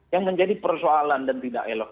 yang menjadi persoalan dan tidak elok